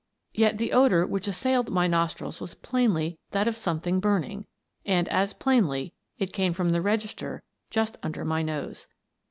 Yet the odour which assailed my nostrils was plainly that of something burning, and, as plainly, it came from the register just under my nose.